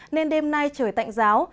nên đêm nay trời tạnh giáo